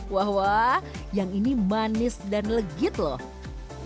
wah wah yang ini manis dan legit loh